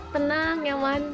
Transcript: tenang ya wan